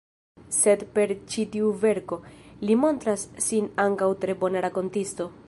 Sed per ĉi tiu verko, li montras sin ankaŭ tre bona rakontisto.